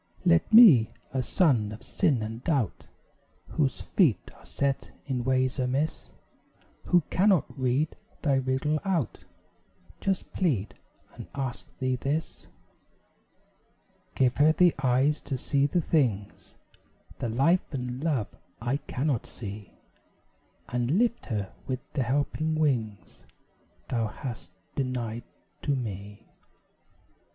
Let me, a son of sin and doubt, Whose feet are set in ways amiss Who cannot read Thy riddle out, Just plead, and ask Thee this; Give her the eyes to see the things The Life and Love I cannot see; And lift her with the helping wings Thou hast denied to me.